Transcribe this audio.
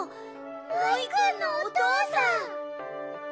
モイくんのおとうさん！